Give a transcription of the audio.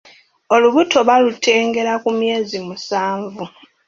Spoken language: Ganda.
Olubuto balutengera ku myezi musanvu